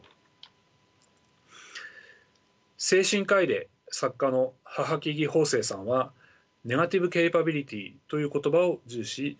精神科医で作家の帚木生さんはネガティブ・ケイパビリティという言葉を重視しています。